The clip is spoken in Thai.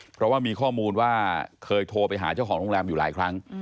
เพราะว่ามีข้อมูลว่าเคยโทรไปหาเจ้าของโรงแรมอยู่หลายครั้ง